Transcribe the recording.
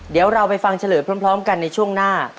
เดี๋ยวเราไปฟังเฉลยพร้อมกันในช่วงหน้า